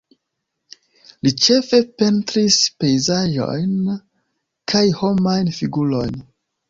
Li ĉefe pentris pejzaĝojn kaj homajn figurojn.